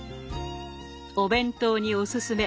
お弁当におすすめ。